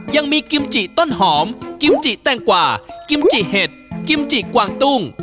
ยังมีกิมจิต้นหอมกิมจิแตงกว่ากิมจิเห็ดกิมจิกวางตุ้ง